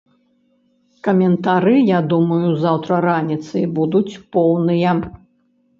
Каментары, я думаю, заўтра раніцай будуць, поўныя.